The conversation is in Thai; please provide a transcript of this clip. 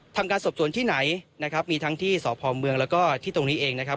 ทำการสอบสวนที่ไหนนะครับมีทั้งที่สพเมืองแล้วก็ที่ตรงนี้เองนะครับ